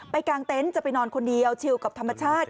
กลางเต็นต์จะไปนอนคนเดียวชิวกับธรรมชาติ